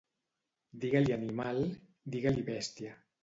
Diga-li animal, diga-li bèstia.